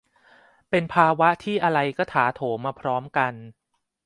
เป็นภาวะที่อะไรก็ถาโถมมาพร้อมกัน